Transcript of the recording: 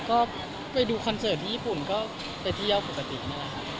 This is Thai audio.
ก็ไปดูคอนเสิร์ตที่ญี่ปุ่นก็ไปเที่ยวปกตินี่แหละครับ